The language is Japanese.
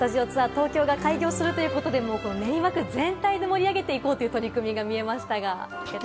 東京が開業するということで、練馬区全体が盛り上げていこうという取り組みが見えましたが。